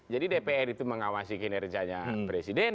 jadi dpr itu mengawasi kinerjanya presiden